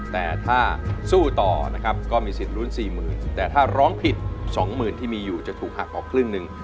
แต่ถ้าสู้ต่อนะครับก็มีสิทธิ์ลุ้น๔๐๐๐แต่ถ้าร้องผิดสองหมื่นที่มีอยู่จะถูกหักออกครึ่งหนึ่ง